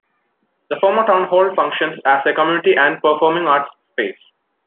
The former town hall functions as a community and performing arts space.